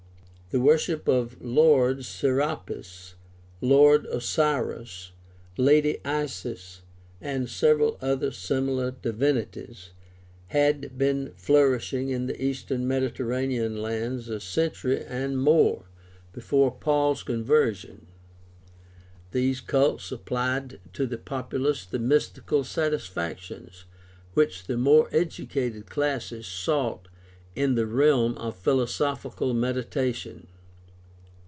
The worship of "Lord'' Serapis, "Lord" Osiris, "Lady" Isis, and several other similar divinities, had been flourishing in the eastern Mediterranean lands a century and more before Paul's conversion (see above, p. 247). These cults supplied to the populace the mystical satisfactions which the more educated classes sought in the realm of philosophical meditation.